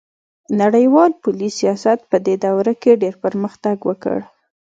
نړیوال پولي سیاست پدې دوره کې ډیر پرمختګ وکړ